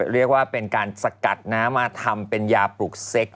เรียกว่าเป็นการสกัดน้ำมาทำเป็นยาปลุกเซ็ก